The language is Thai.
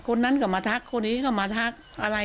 คนนั้นก็มาทักคนนี้ก็มาทักอะไร